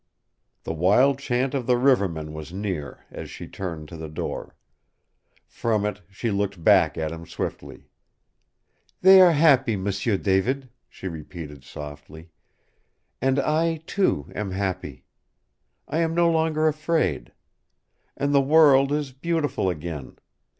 The wild chant of the rivermen was near as she turned to the door. From it she looked back at him swiftly. "They are happy, M'sieu David," she repeated softly. "And I, too, am happy. I am no longer afraid. And the world is beautiful again.